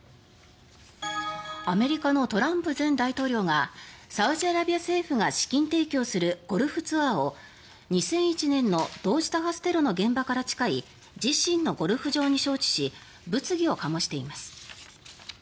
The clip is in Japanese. アメリカのトランプ前大統領がサウジアラビア政府が資金提供するゴルフツアーを、２００１年の同時多発テロの現場から近い自身のゴルフ場に招致し物議を醸しています。